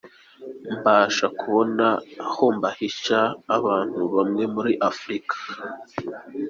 mbasha kubona aho mbahisha ahantu hamwe muri Afrika".